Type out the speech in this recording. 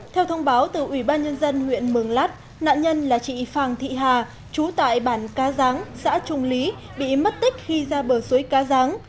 theo thông báo từ ủy ban nhân dân huyện mường lát nạn nhân là chị phàng thị hà chú tại bản ca giáng xã trung lý bị mất tích khi ra bờ suối cá ráng